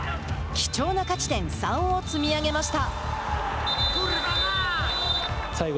貴重な勝ち点３を積み上げました。